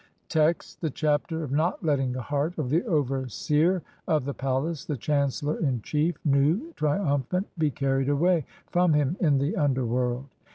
75 Text : (1) The Chapter of not letting the heart of THE OVERSEER OF THE PALACE, THE CHANCELLOR IN CHIEF, NU, TRIUMPHANT, BE CARRIED AWAY (2) FROM HIM IN THE UNDERWORLD.